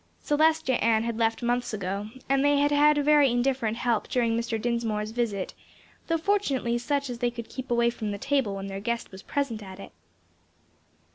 Celestia Ann had left months ago, and they had had very indifferent help during Mr. Dinsmore's visit, though fortunately such as they could keep away from the table when their guest was present at it.